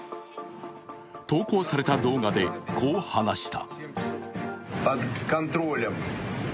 投稿された動画でこう話した。